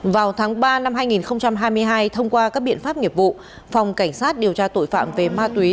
vào tháng ba năm hai nghìn hai mươi hai thông qua các biện pháp nghiệp vụ phòng cảnh sát điều tra tội phạm về ma túy